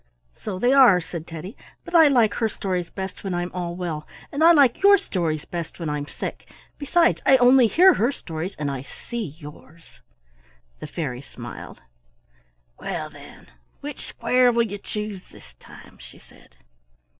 "So they are," said Teddy, "but I like her stories best when I'm all well, and I like your stories best when I'm sick. Besides I only hear her stories and I see yours." The fairy smiled. "Well, then, which square will you choose this time?" she said.